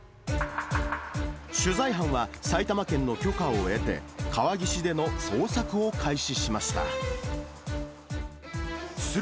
取材班は埼玉県の許可を得て、川岸での捜索を開始しました。